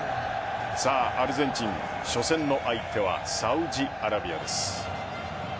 アルゼンチン、初戦の相手はサウジアラビアです。